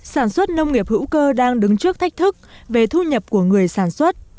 sản xuất nông nghiệp hữu cơ đang đứng trước thách thức về thu nhập của người sản xuất